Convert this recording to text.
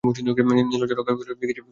নীরজা রুক্ষ গলায় বললে, কিছু হয় নি।